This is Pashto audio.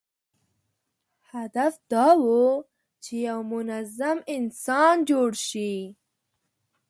هدف دا و چې یو منظم انسان جوړ شي.